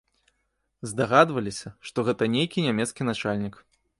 Здагадваліся, што гэта нейкі нямецкі начальнік.